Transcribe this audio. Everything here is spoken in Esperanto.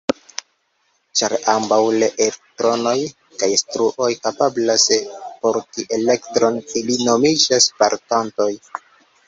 Ĉar ambaŭ elektronoj kaj truoj kapablas porti elektron, ili nomiĝas "portantoj".